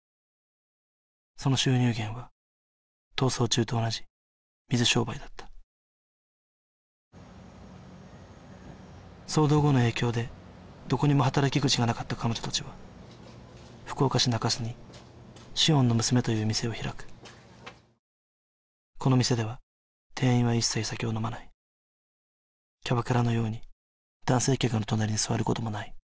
その収入源は逃走中と同じ水商売だった騒動後の影響でどこにも働き口がなかった彼女達は福岡市中洲にシオンの娘という店を開くこの店では店員は一切酒を飲まないキャバクラのように男性客の隣に座ることもない